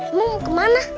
emang mau kemana